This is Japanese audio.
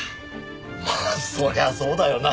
まあそりゃそうだよな。